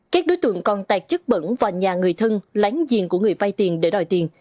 các đối tượng còn tạc chất bẩn vào nhà người thân láng giềng của người vay tiền để đòi tiền